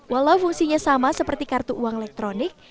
walau fungsinya sama seperti kartu uang elektronik